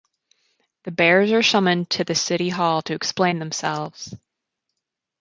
The Bears are summoned to the City Hall to explain themselves.